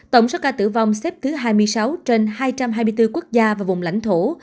tổng số ca tử vong xếp thứ hai mươi sáu trên hai trăm hai mươi bốn quốc gia và vùng lãnh thổ